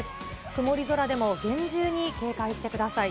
曇り空でも厳重に警戒してください。